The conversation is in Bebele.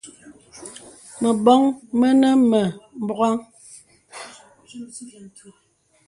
Məbɔŋ mənə mə bɔghaŋ.